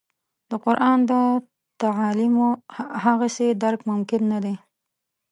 د قران د تعالیمو هغسې درک ممکن نه دی.